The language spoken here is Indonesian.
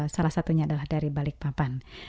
salah satunya adalah dari balikpapan